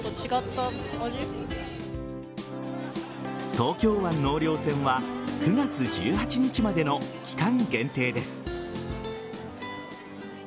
東京湾納涼船は９月１８日までの期間限定です。